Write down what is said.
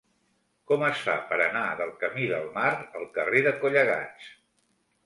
Com es fa per anar del camí del Mar al carrer de Collegats?